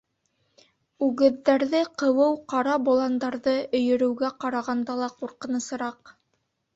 Үгеҙҙәрҙе ҡыуыу ҡара боландарҙы өйөрөүгә ҡарағанда ла ҡурҡынысы-раҡ.